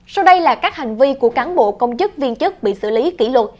sau đây là các hành vi của cán bộ công chức viên chức bị xử lý kỷ luật